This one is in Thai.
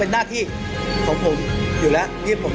อันดับสุดท้าย